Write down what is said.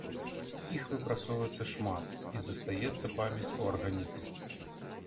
Іх выпрацоўваецца шмат, і застаецца памяць у арганізме.